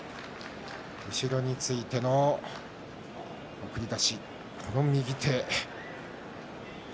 後ろについての送り出しこの右手。